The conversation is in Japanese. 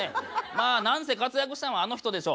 まあ何せ活躍したのはあの人でしょう。